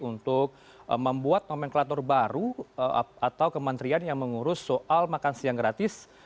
untuk membuat nomenklatur baru atau kementerian yang mengurus soal makan siang gratis